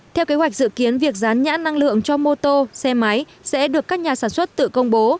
theo kế hoạch dự kiến việc rán nhãn năng lượng cho mô tô xe máy sẽ được các nhà sản xuất tự công bố